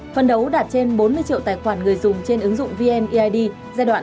phần đấu đạt trên bốn mươi triệu tài khoản người dùng trên ứng dụng vneid